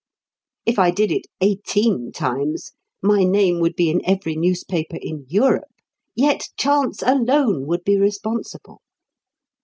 If I did it eighteen times my name would be in every newspaper in Europe. Yet chance alone would be responsible.